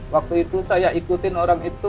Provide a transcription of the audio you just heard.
waktu itu saya ikutin orang itu